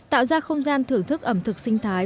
tạo ra không gian thưởng thức ẩm thực sinh thái